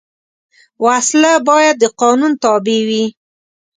وسله باید د قانون تابع وي